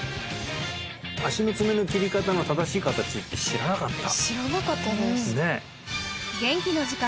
足の爪の切り方の正しい形って知らなかった